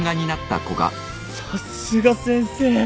さすが先生。